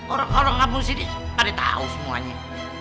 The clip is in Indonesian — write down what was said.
orang orang abang sini pada tau semuanya